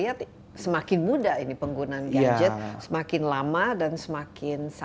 pertama kali diturut saya tanya pada dr looks